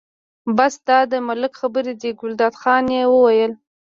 بس دا د ملک خبرې دي، ګلداد خان یې وویل.